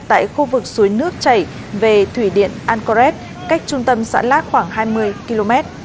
tại khu vực suối nước chảy về thủy điện anporet cách trung tâm xã lát khoảng hai mươi km